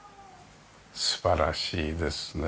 素晴らしいですね。